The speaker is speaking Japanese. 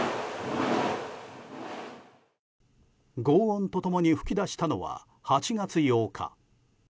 轟音と共に噴き出したのは８月８日。